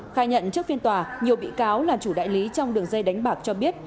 khai nhận trước phiên tòa nhiều bị cáo là chủ đại lý trong đường dây đánh bạc cho biết